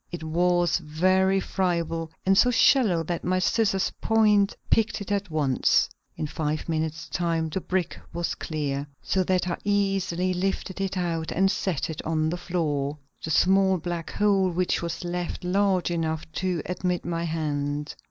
It was very friable and so shallow that my scissors' point picked it at once. In five minutes' time the brick was clear, so that I easily lifted it out and set it on the floor. The small black hole which was left was large enough to admit my hand.